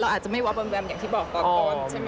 เราอาจจะไม่วับแบมอย่างที่บอกก่อนใช่ไหม